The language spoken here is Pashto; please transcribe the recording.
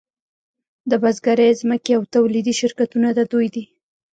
د بزګرۍ ځمکې او تولیدي شرکتونه د دوی دي